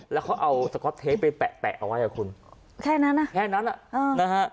แล้วเขาเอาสก๊อตเทปไปแปะแปะเอาไว้อ่ะคุณแค่นั้นอ่ะแค่นั้นอ่ะเออนะฮะ